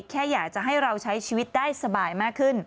แค่อยากจะให้เราใช้ชีวิตได้สบายมากขึ้น